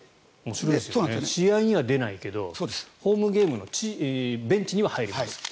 試合には出ないけどホームゲーム、ベンチには入ると。